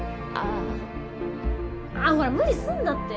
ああほら無理すんなって。